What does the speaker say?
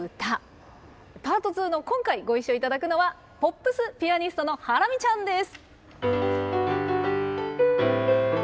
Ｐａｒｔ２の今回ご一緒頂くのはポップスピアニストのハラミちゃんです。